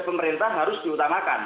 pemerintah harus diutamakan